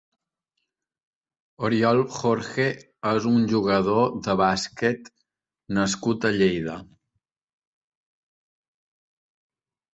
Oriol Jorge és un jugador de bàsquet nascut a Lleida.